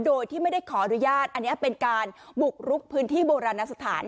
โดยที่ไม่ได้ขออนุญาตอันนี้เป็นการบุกรุกพื้นที่โบราณสถาน